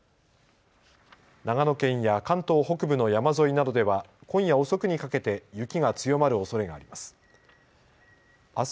長野県や関東北部の山沿いなどでは今夜遅くにかけて雪が強まるおそれがあります。